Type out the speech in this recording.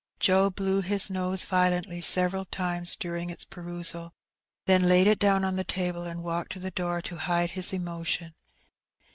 Joe blew his nose violently several times during its perusal, then laid it down on the table, and walked to the door to hide his emotion.